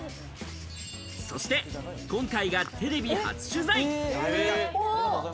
そして今回がテレビ初取材。